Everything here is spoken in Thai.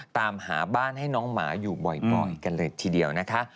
ตามหาบ้านให้น้องหมาอยู่บ่อยกันเลยทีเดียวนะคะ